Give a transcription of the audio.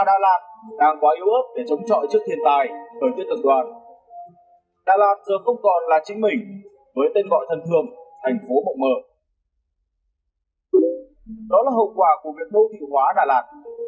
đó là hậu quả của việc đô thị hóa đà lạt